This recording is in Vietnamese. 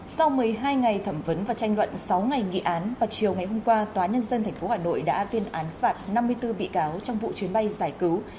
sau một mươi hai ngày thẩm vấn và tranh luận sáu ngày nghị án vào chiều ngày hôm qua tòa nhân dân tp hà nội đã tuyên án phạt năm mươi bốn bị cáo trong vụ chuyến bay giải cứu